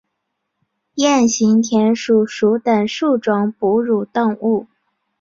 鼹形田鼠属等数种哺乳动物。